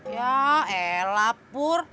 ya elap pur